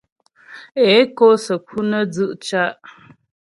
É kǒ səku nə́ dzʉ' ca'.